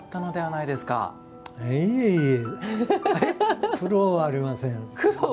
いえいえ苦労はありません。